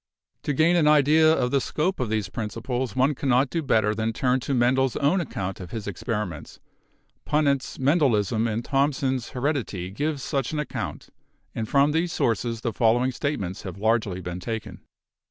To gain an idea of the scope of these principles one cannot do better than turn to Mendel's own account of his experiments. Punnett's 'Mendelism' and Thomson's 'He redity' give such an account, and from these sources the following statements have largely been taken.